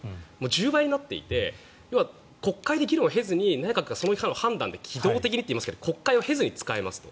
１０倍になっていて国会で議論を経ずに内閣が機動的にといいますが国会を経ずに使えますと。